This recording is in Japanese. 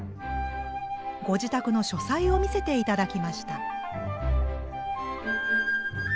ご自宅の書斎を見せて頂きました。